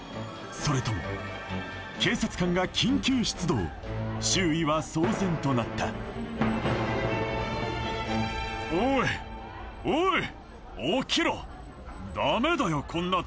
それとも警察官が緊急出動周囲は騒然となったえっえ！？